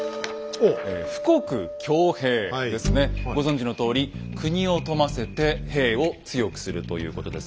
ご存じのとおり国を富ませて兵を強くするということですけれども。